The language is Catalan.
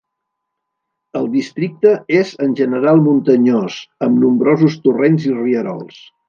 El districte és en general muntanyós amb nombrosos torrents i rierols.